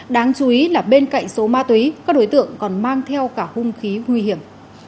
đáng chú ý là bên cạnh số ma túy các đối tượng còn mang theo cả hung khí nguy hiểm